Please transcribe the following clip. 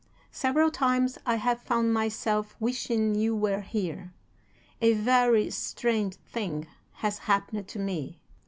Several times I have found myself wishing you were here. A very strange thing has happened to me.